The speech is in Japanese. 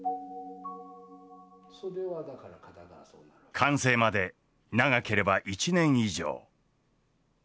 完成まで長ければ１年以上。